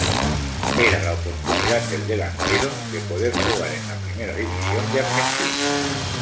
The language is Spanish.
Era la oportunidad del delantero de poder jugar en la Primera División de Argentina.